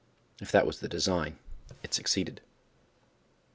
If that was the design, it succeeded.